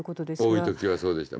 多い時はそうでした。